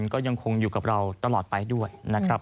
ก็ยังคงอยู่กับเราตลอดไปด้วยนะครับ